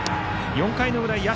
４回の裏、社。